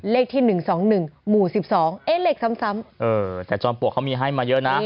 เลขที่๑๒๑หมู่๑๒เอ๊ะเลขซ้ำเออแต่จอมปลวกเขามีให้มาเยอะนะ